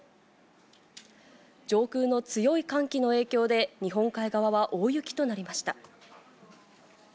上空の強い寒気の影響で、日本海側は大雪となりました。